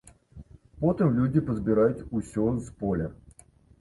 Потым людзі пазбіраюць усё з поля.